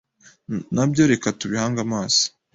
Nabyo reka tubihange amaso